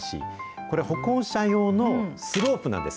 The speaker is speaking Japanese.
これ、歩行者用のスロープなんです。